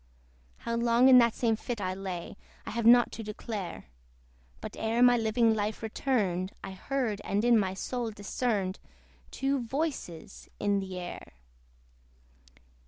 How long in that same fit I lay, I have not to declare; But ere my living life returned, I heard and in my soul discerned Two VOICES in the air.